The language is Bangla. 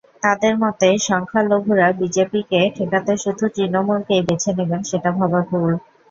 তাঁদের মতে, সংখ্যালঘুরা বিজেপিকে ঠেকাতে শুধু তৃণমূলকেই বেছে নেবেন, সেটা ভাবা ভুল।